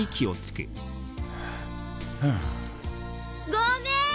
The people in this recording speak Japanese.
ごめん！